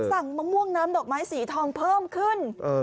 มะม่วงน้ำดอกไม้สีทองเพิ่มขึ้น